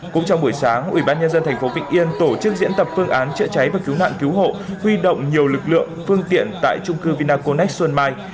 cũng trong buổi sáng ủy ban nhân dân thành phố vĩnh yên tổ chức diễn tập phương án chữa cháy và cứu nạn cứu hộ huy động nhiều lực lượng phương tiện tại trung cư vinaconex xuân mai